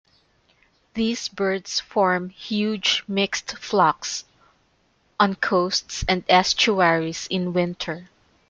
These birds form huge mixed flocks on coasts and estuaries in winter.